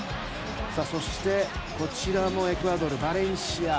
そして、こちらもエクアドルのバレンシア。